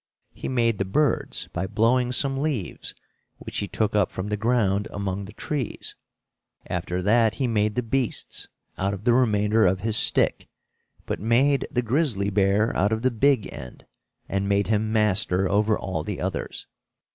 He made the birds by blowing some leaves, which he took up from the ground, among the trees. After that he made the beasts out of the remainder of his stick, but made the grizzly bear out of the big end, and made him master over all the others.